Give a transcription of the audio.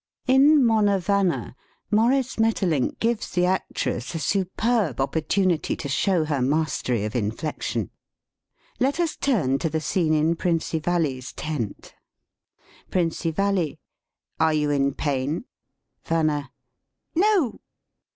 In "Monna Vanna," Maurice Maeterlinck gives the actress a superb opportunity to show her mastery of inflection. Let us turn to the scene in Prinzivalle's tent: 1 " PRINZIVALLE. Are you in pain? "VANNA. No! "PRINZIVALLE.